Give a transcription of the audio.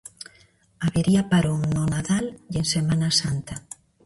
Habería parón no Nadal e en Semana Santa.